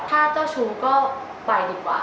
ถ้าเจ้าชู้ก็ไปดีกว่า